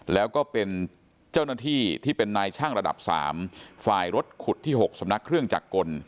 แล้วก็เป็นเจ้าหน้าที่ที่เป็นนายช่างระดับ๓ฝ่ายรถขุดที่๖สำนักเครื่องจักรกล